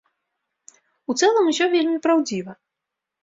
У цэлым усё вельмі праўдзіва.